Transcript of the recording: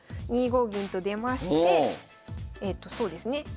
２五銀と出ましてえとそうですね